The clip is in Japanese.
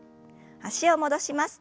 脚を戻します。